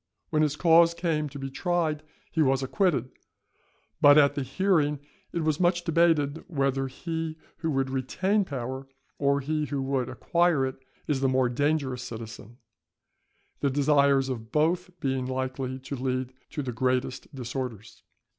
When his cause came to be tried he was acquitted; but at the hearing it was much debated, whether he who would retain power or he who would acquire it, is the more dangerous citizen; the desires of both being likely to lead to the greatest disorders.